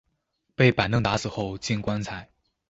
被板凳打死後進棺材